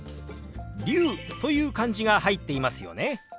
龍という漢字が入っていますよね。